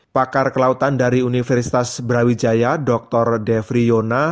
pakar kelautan dari universitas brawijaya dr devriona